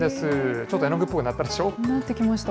ちょっと絵の具っぽくなったでしょ。